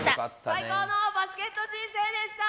最高のバスケット人生でした！